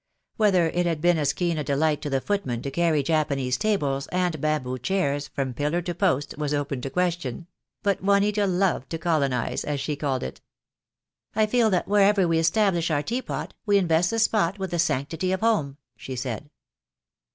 Whether it had been as keen a delight to the footmen to carry Japanese tables and bamboo chairs from pillar to post was open to ques tion; but Juanita loved to colonize, as she called it. "I feel that wherever we establish our teapot we in vest the spot with the sanctity of home," she said.